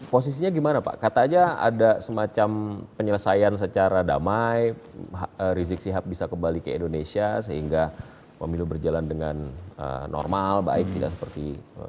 posisinya gimana pak kata aja ada semacam penyelesaian secara damai rizik sihab bisa kembali ke indonesia sehingga pemilu berjalan dengan normal baik tidak seperti